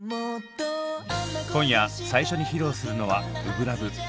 今夜最初に披露するのは「初心ＬＯＶＥ」。